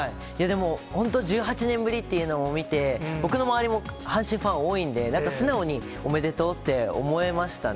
でも本当、１８年ぶりというのも見て、僕の周りも阪神ファン多いんで、素直におめでとうって思えましたね。